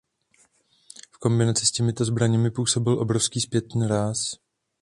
V kombinaci s těmito zbraněmi působil obrovský zpětný ráz.